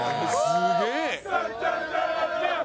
「すげえ」